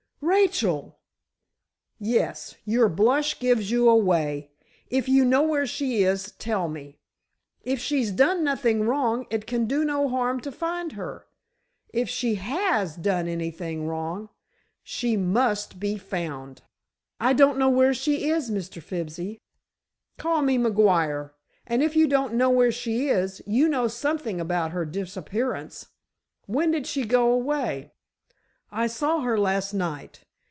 "Rachel!" "Yes, your blush gives you away. If you know where she is, tell me. If she's done nothing wrong it can do no harm to find her. If she has done anything wrong, she must be found." "I don't know where she is, Mr. Fibsy——" "Call me McGuire. And if you don't know where she is, you know something about her disappearance. When did she go away?" "I saw her last night.